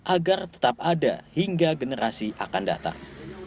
agar tetap ada hingga generasi akan datang